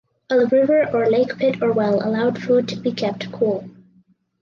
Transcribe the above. A river or lake pit or well allowed food to be kept cool.